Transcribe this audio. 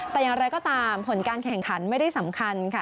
แต่อย่างไรก็ตามผลการแข่งขันไม่ได้สำคัญค่ะ